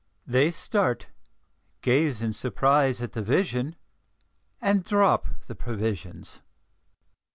They start, gaze in surprise at the vision, and drop the provisions.